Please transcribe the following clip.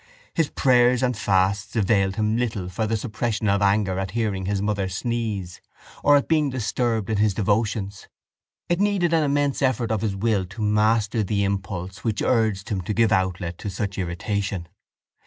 His prayers and fasts availed him little for the suppression of anger at hearing his mother sneeze or at being disturbed in his devotions. It needed an immense effort of his will to master the impulse which urged him to give outlet to such irritation.